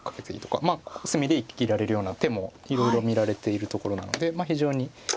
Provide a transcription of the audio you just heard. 隅で生きられるような手もいろいろ見られているところなので非常に味のいい。